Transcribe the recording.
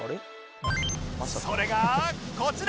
それがこちら！